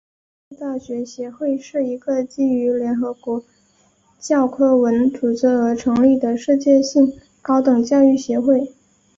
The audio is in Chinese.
国际大学协会是一个基于联合国教科文组织而成立的世界性高等教育协会。